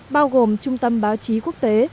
bao gồm trung tâm báo chí quốc tế